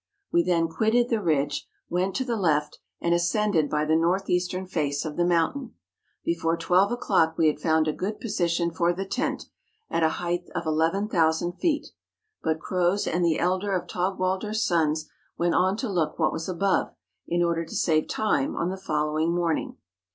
We then quitted the ridge, went to the left, and ascended by the north eastern face of the mountain. Before twelve o'clock we had found a good position for the tent, at a height of 11,000 feet; but Croz and the elder of Taugwalder's sons went on to look what was above, in order to save time on the following morniog.